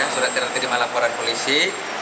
surat terima laporan polisi